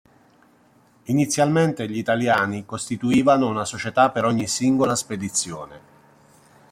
Inizialmente gli Italiani costituivano una società per ogni singola spedizione.